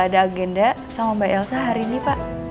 ada agenda sama mbak elsa hari ini pak